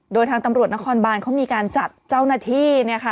โดยทางตำรวจนครบานเขามีการจัดเจ้าหน้าที่